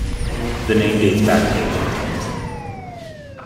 The name dates back to ancient times.